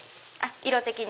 色的に？